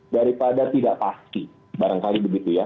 daripada tidak pasti barangkali begitu ya